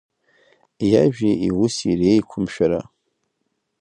Иажәеи иуси реиқәымшәара.